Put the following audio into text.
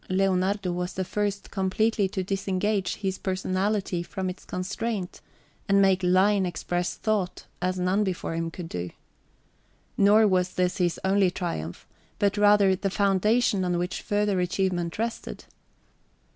Leonardo was the first completely to disengage his personality from its constraint, and make line express thought as none before him could do. Nor was this his only triumph, but rather the foundation on which further achievement rested.